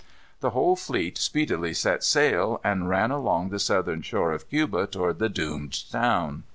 The whole fleet speedily set sail, and ran along the southern shore of Cuba toward the doomed town.